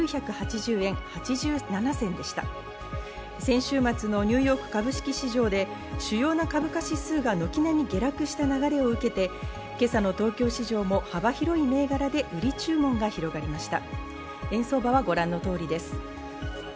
先週末のニューヨーク株式市場で主要な株価指数が軒並み下落した流れを受けて、今朝の東京市場も幅広い銘柄で売り注文が広がりました。